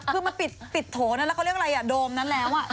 คือมันปิดโถนั้นแล้วเขาเรียกอะไรอ่ะโดมนั้นแล้ว